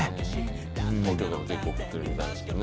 東京でも結構降ってるみたいですけどね。